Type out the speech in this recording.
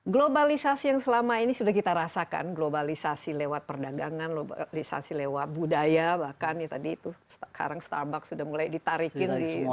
globalisasi yang selama ini sudah kita rasakan globalisasi lewat perdagangan globalisasi lewat budaya bahkan ya tadi itu sekarang starbuck sudah mulai ditarikin di dunia